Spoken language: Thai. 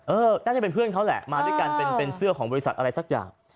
น่าจะเป็นเพื่อนเขาแหละมาด้วยกันเป็นเสื้อของบริษัทอะไรสักอย่าง